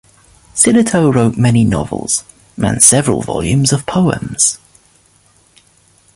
Sillitoe wrote many novels and several volumes of poems.